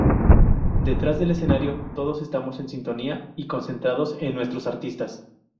Detrás del escenario todos estamos en sintonía y concentrados en nuestros artistas.